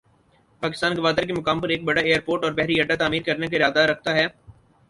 پاکستان گوادر کے مقام پر ایک بڑا ایئرپورٹ اور بحری اڈہ تعمیر کرنے کا ارادہ رکھتا ہے۔